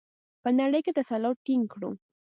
په نړۍ تسلط ټینګ کړو؟